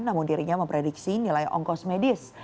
namun dirinya memprediksi nilai ongkos medis